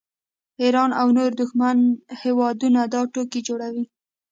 ایران او نور دښمن هیوادونه دا ټوکې جوړوي